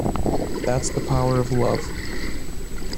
That's the power of love.